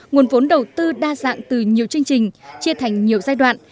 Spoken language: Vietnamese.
nguồn vốn đầu tư đa dạng từ nhiều chương trình chia thành nhiều giai đoạn